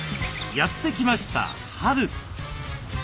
やって来ました春。